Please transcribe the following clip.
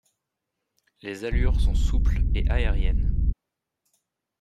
Les allures sont souples et aériennes.